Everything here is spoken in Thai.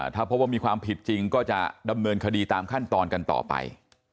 ถ้าพบว่ามีความผิดจริงก็จะดำเนินคดีตามขั้นตอนกันต่อไป